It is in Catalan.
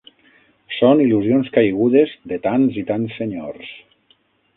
Són il·lusions caigudes de tants i tants senyors